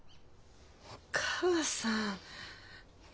お義母さん。